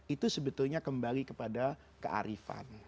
itu sebetulnya kembali kepada kearifan